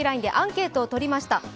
ＬＩＮＥでアンケートをとりました。